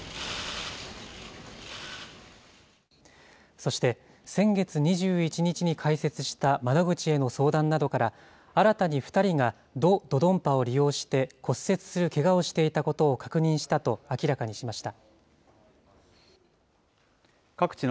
そして、先月２１日に開設した窓口への相談などから、新たに２人がド・ドドンパを利用して骨折するけがをしていたことを確認したと明らかにしました。